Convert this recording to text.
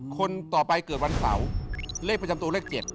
คนต่อไปเกิดวันเสาร์เลขประจำตัวเลข๗